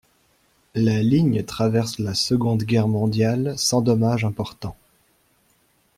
La ligne traverse la Seconde Guerre mondiale sans dommage important.